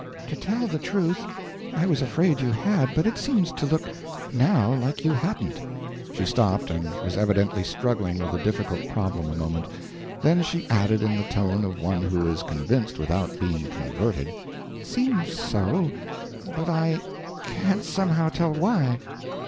"To tell the truth, I was afraid you had, but it seems to look, now, like you hadn't." She stopped, and was evidently struggling with the difficult problem a moment, then she added in the tone of one who is convinced without being converted, "It seems so, but I can't somehow tell why."